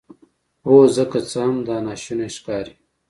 هو زه که څه هم دا ناشونی ښکاري